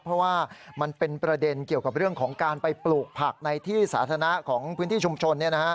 เพราะว่ามันเป็นประเด็นเกี่ยวกับเรื่องของการไปปลูกผักในที่สาธารณะของพื้นที่ชุมชน